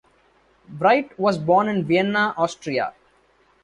Wright was born in Vienna, Austria.